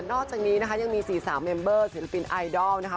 อกจากนี้นะคะยังมี๔สาวเมมเบอร์ศิลปินไอดอลนะคะ